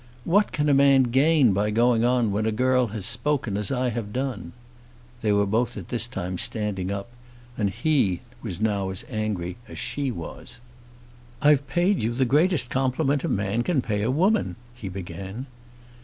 What can a man gain by going on when a girl has spoken as I have done?" They were both at this time standing up, and he was now as angry as she was. "I've paid you the greatest compliment a man can pay a woman," he began.